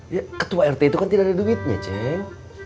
ya ketua rt itu kan tidak ada duitnya ceng